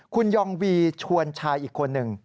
คุณยองวีชวนชายอีกคนหนึ่ง